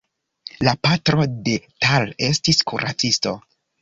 La patro de Tal estis kuracisto.